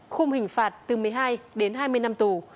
khung hình phạt từ một mươi hai đến hai mươi năm tù